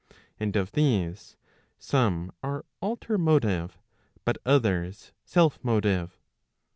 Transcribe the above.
And of these, some are alter motive, but others self motive.